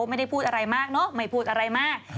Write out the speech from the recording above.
ไม่ได้พูดอะไรมากเนอะไม่พูดอะไรมาก